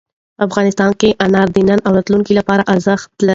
افغانستان کې انار د نن او راتلونکي لپاره ارزښت لري.